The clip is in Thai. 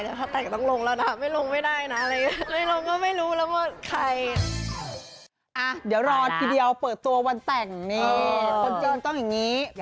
แต่ถ้าแต่งต้องลงแล้วนะไม่ลงไม่ได้นะอะไรอย่างเงี้ย